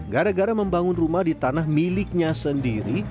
gara gara membangun rumah di tanah miliknya sendiri